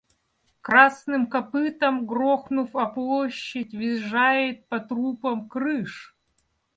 Красным копытом грохнув о площадь, въезжает по трупам крыш!